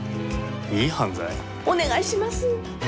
お願いします！